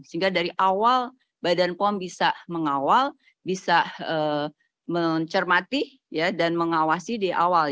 sehingga dari awal badan pom bisa mengawal bisa mencermati dan mengawasi di awal